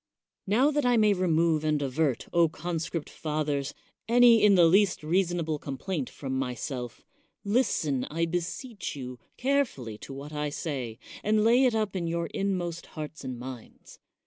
Now that I may remove and avert, con script fathers, any in the least reasonable com , plaint from myself, listen, I beseech you, carefully to what I say, and lay it up in your inmost hearts and minds.